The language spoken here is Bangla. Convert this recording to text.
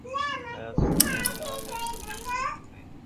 আমরা তোমার কথায় বিশ্বাস করি না, যতক্ষণ না আমরা আল্লাহকে প্রকাশ্য দেখতে পাই।